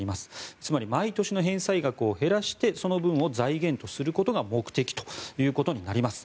つまり毎年の返済額を減らしてその分を財源とすることが目的ということになります。